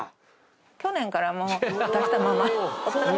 去年からもう出したまま。